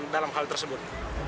dalam hal tersebut